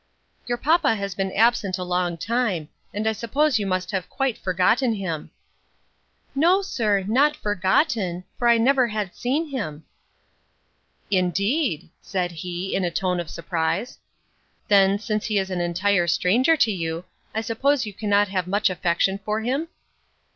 "Your papa has been absent a long time, and I suppose you must have quite forgotten him." "No, sir, not forgotten, for I never had seen him." "Indeed!" said he, in a tone of surprise; "then, since he is an entire stranger to you, I suppose you cannot have much affection for him?"